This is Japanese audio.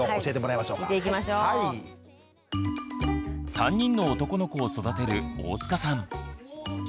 ３人の男の子を育てる大塚さん。